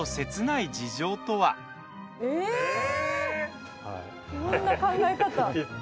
いろんな考え方。